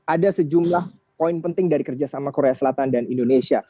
ada sejumlah poin penting dari kerjasama korea selatan dan indonesia